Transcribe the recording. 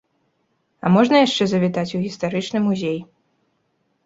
А можна яшчэ завітаць у гістарычны музей.